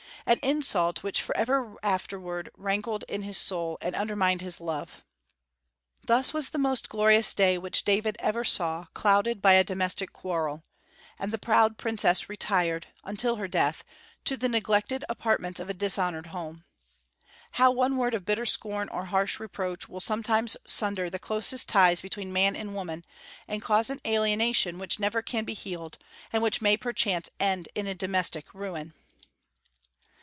an insult which forever afterward rankled in his soul, and undermined his love." Thus was the most glorious day which David ever saw, clouded by a domestic quarrel; and the proud princess retired, until her death, to the neglected apartments of a dishonored home. How one word of bitter scorn or harsh reproach will sometimes sunder the closest ties between man and woman, and cause an alienation which never can be healed, and which may perchance end in a domestic ruin!